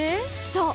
そう！